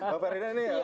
bapak rina ini